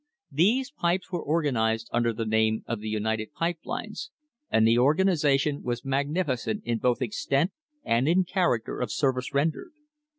These lines were organised under the name of the United Pipe Lines, and the organisation was magnificent in both extent and in character of service ren dered.